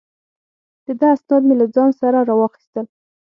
د ده اسناد مې له ځان سره را واخیستل.